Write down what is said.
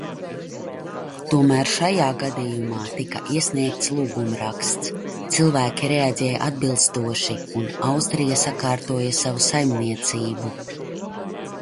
Tomēr šajā gadījumā tika iesniegts lūgumraksts, cilvēki reaģēja atbilstoši, un Austrija sakārtoja savu saimniecību.